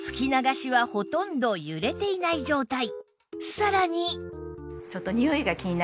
さらに